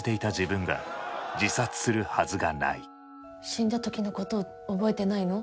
死んだ時のこと覚えてないの？